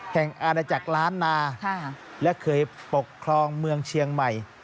อาณาจักรล้านนาและเคยปกครองเมืองเชียงใหม่